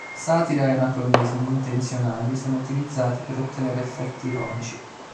Satira e anacronismi intenzionali sono utilizzati per ottenere effetti ironici.